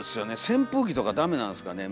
扇風機とかダメなんですかね。